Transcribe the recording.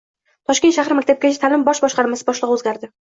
Toshkent shahar maktabgacha ta'lim bosh boshqarmasi boshlig‘i o‘zgardi